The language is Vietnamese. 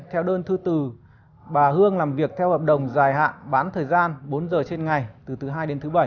theo đơn thư từ bà hương làm việc theo hợp đồng dài hạn bán thời gian bốn giờ trên ngày từ thứ hai đến thứ bảy